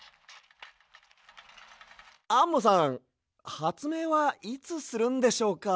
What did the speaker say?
アンモさんはつめいはいつするんでしょうか？